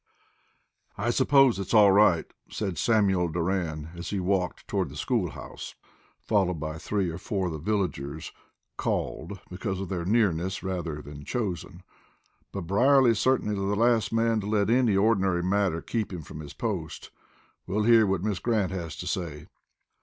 "I suppose it's all right," said Samuel Doran, as he walked toward the school house, followed by three or four of the villagers, "called" because of their nearness, rather than "chosen"; "but Brierly's certainly the last man to let any ordinary matter keep him from his post. We'll hear what Miss Grant has to say."